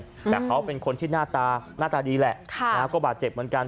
หลังจากเขาเป็นคนที่หน้าตาดีแหละก็บาดเจ็บเหมือนกัน